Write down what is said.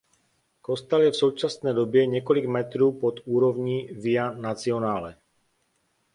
Kostel je v současné době několik metrů pod úrovní "Via Nazionale".